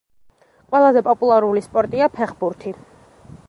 ყველაზე პოლულარული სპორტია ფეხბურთი.